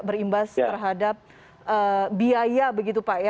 berimbas terhadap biaya begitu pak ya